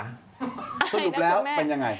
สรุปแล้วเป็นยังไง